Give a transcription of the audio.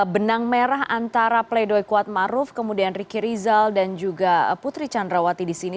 benang merah antara pleidoy kuatmaruf kemudian ricky rizal dan juga putri chandrawati disini